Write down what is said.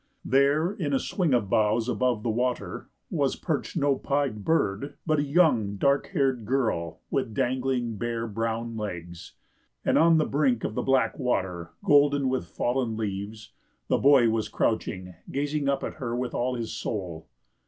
There, in a swing of boughs above the water, was perched no pied bird, but a young, dark haired girl with, dangling, bare, brown legs. And on the brink of the black water goldened, with fallen leaves, the boy was crouching, gazing up at her with all his soul.